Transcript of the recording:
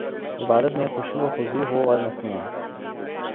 عبادت میں خضوع وخشوع ہواور مسنون